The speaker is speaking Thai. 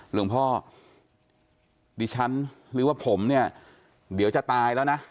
หลวงพ่อดิฉันหรือว่าผมเนี่ยเดี๋ยวจะตายแล้วนะ